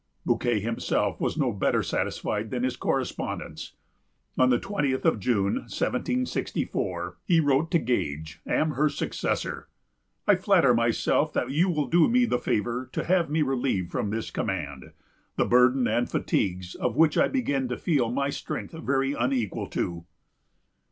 Bouquet himself was no better satisfied than his correspondents. On the twentieth of June, 1764, he wrote to Gage, Amherst's successor: "I flatter myself that you will do me the favor to have me relieved from this command, the burden and fatigues of which I begin to feel my strength very unequal to."